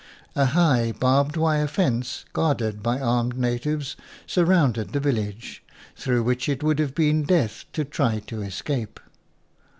"A high barbed wire fence, guarded by armed natives, surrounded the vil lage, through which it would have been death to try to escape.